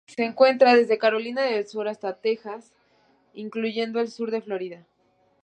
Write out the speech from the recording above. Se encuentra desde Carolina del Sur hasta Texas, incluyendo el sur de Florida.